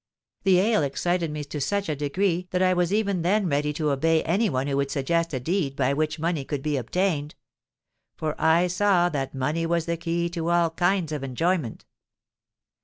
The ale excited me to such a degree that I was even then ready to obey any one who would suggest a deed by which money could be obtained; for I saw that money was the key to all kinds of enjoyment.